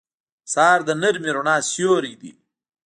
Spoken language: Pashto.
سهار د نرمې رڼا سیوری دی.